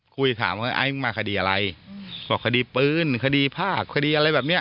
คุยถามว่าไอ้มึงมาคดีอะไรบอกคดีปืนคดีภาคคดีอะไรแบบเนี้ย